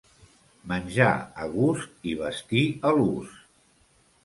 Menjar a gust i vestir a l'ús.